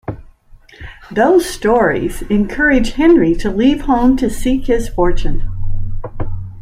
Those stories encourage Henry to leave home to seek his fortune.